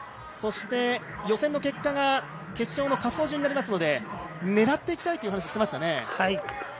そして予選の結果が決勝の滑走順となりますので狙っていきたいという話をしていましたね。